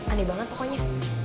aneh banget pokoknya